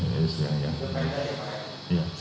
bukan dipindah ini pak